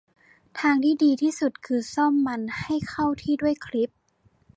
ทางที่ดีที่สุดคือซ่อมมันให้เข้าที่ด้วยคลิป